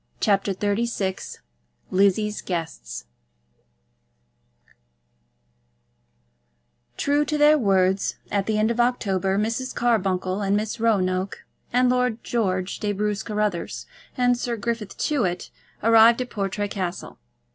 CHAPTER XXXVI Lizzie's Guests True to their words, at the end of October, Mrs. Carbuncle and Miss Roanoke, and Lord George de Bruce Carruthers, and Sir Griffin Tewett, arrived at Portray Castle.